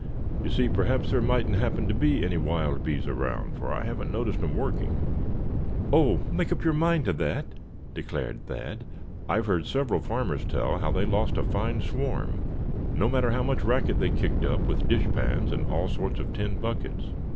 You see, perhaps there mightn't happen to be any wild bees around, for I haven't noticed 'em working." "Oh! make up your mind to that," declared Thad. "I've heard several farmers tell how they lost a fine swarm, no matter how much racket they kicked up with dishpans and all sorts of tin buckets.